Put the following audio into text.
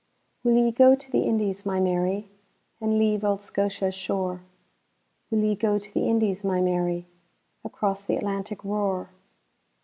WILL ye go to the Indies, my Mary, And leave auld Scotia's shore? Will ye go to the Indies, my Mary, Across th' Atlantic roar?